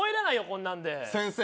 こんなんで先生